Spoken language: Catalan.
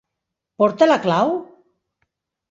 Porta la clau?